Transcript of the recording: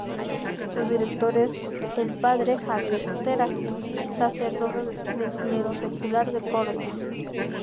Su director es el Padre Javier Soteras, sacerdote del clero secular de Córdoba.